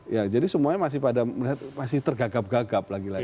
ya jadi semuanya masih pada melihat masih tergagap gagap lagi lagi